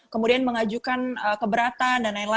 kemudian mengajukan keberatan dll